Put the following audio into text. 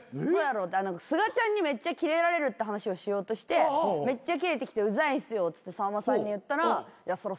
すがちゃんにめっちゃキレられるって話をしようとしてめっちゃキレてきてウザいんすよっつってさんまさんに言ったらいやそらそうやろ。